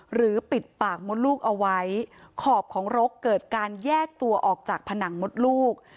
หรือปิดปากมดลูกเอาไว้ขอบของรกเกิดการแยกตัวออกจากผนังมดลูก